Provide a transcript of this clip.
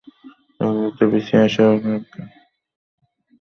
রাজধানীতে বিসিআইয়ের সভাকক্ষে গতকাল শুক্রবার বাজেটের ওপর আলোচনার জন্য সভা অনুষ্ঠিত হয়।